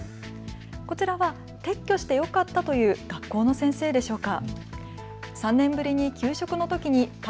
こちらは撤去してよかったという学校の先生でしょうか。